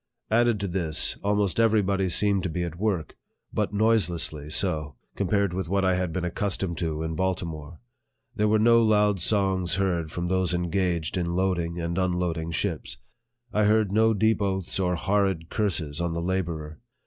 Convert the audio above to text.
Added to this, almost every body seemed to be at work, but noiselessly so, compared with what I had been accustomed to in Baltimore. There were no loud songs heard from those engaged in loading and unloading ships. I heard no deep oaths or horrid curses on the laborer.